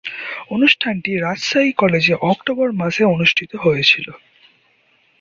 অনুষ্ঠানটি রাজশাহী কলেজে অক্টোবর মাসে অনুষ্ঠিত হয়েছিলো।